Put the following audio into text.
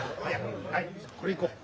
これいこう。